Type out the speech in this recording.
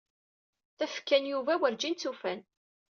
Tafekka n Yuba werǧin ttufan.